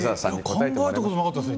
考えたことなかったです。